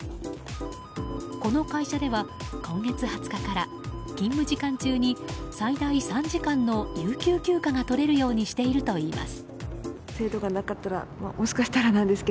この会社では今月２０日から勤務時間中に最大３時間の有給休暇が取れるようにしてるといいます。